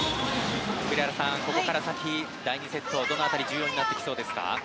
栗原さん、ここから先第２セットはどの辺りが重要になってきそうですか。